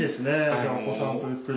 じゃあお子さんとゆっくり。